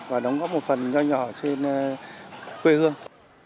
và đóng góp một phần nhanh nhỏ trên quê hương